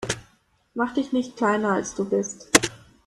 Mach dich nicht kleiner, als du bist.